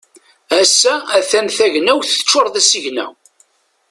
Ass-a a-t-an tagnawt teččur d asigna.